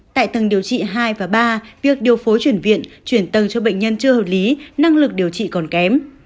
tại tầng điều trị hai và ba việc điều phối chuyển viện chuyển tầng cho bệnh nhân chưa hợp lý năng lực điều trị còn kém